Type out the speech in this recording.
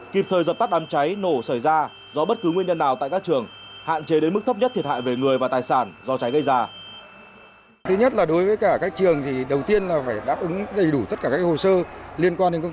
kịp thời dập tắt đám cháy nổ sởi ra do bất cứ nguyên nhân nào tại các trường